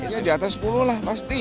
ya di atas sepuluh lah pasti